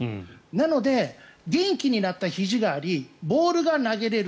なので元気になったひじがありボールが投げれる